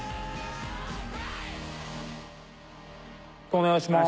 ・お願いします。